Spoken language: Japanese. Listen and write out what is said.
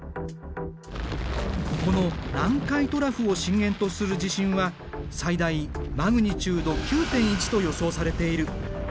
この南海トラフを震源とする地震は最大マグニチュード９．１と予想されている。